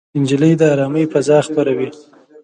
نجلۍ د ارامۍ فضا خپروي.